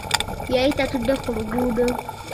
Yali tatunudde ku luguudo.